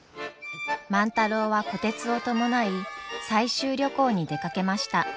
万太郎は虎鉄を伴い採集旅行に出かけました。